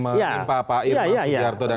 mencinta pak irma subiarto dan